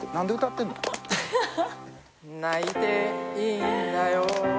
「泣いていいんだよ」